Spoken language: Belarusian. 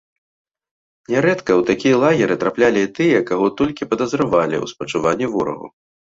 Нярэдка ў такія лагеры траплялі і тыя, каго толькі падазравалі ў спачуванні ворагу.